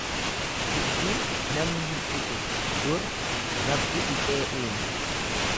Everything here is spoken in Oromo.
Hiddii namni hin dhiqu, dur Rabbi dhiqee uume.